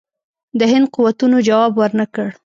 د هند قوتونو جواب ورنه کړ.